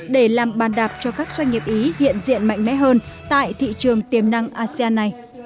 để làm bàn đạp cho các doanh nghiệp ý hiện diện mạnh mẽ hơn tại thị trường tiềm năng asean này